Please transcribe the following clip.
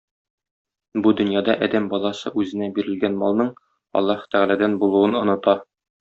Бу дөньяда адәм баласы үзенә бирелгән малның Аллаһы Тәгаләдән булуын оныта.